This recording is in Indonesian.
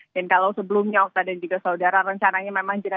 dan kalau sebelumnya okta dan juga saudara rencananya memang jelas